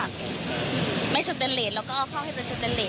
เราก็กำลังวิเครื่องชัดการแทรกความเหลือ